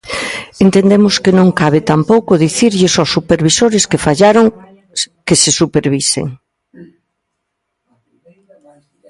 Entendemos que non cabe tampouco dicirlles aos supervisores que fallaron que se supervisen.